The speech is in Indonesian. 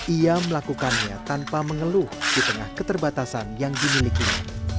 ia melakukannya tanpa mengeluh di tengah keterbatasan yang dimilikinya